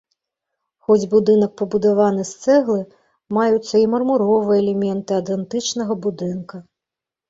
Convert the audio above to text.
Хоць будынак пабудаваны з цэглы, маюцца і мармуровыя элементы ад антычнага будынка.